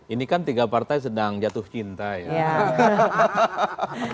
ini kan tiga partai sedang jatuh cinta ya